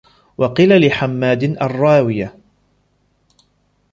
وَقِيلَ لِحَمَّادٍ الرَّاوِيَةِ